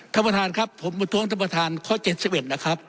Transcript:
ท่านประธานครับผมประท้วงท่านประธานข้อ๗๑นะครับ